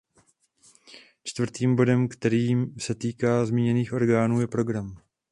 Čtvrtým bodem, který se týká zmíněných orgánů, je program.